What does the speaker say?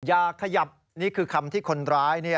อย่าขยับนี่คือคำที่คนร้าย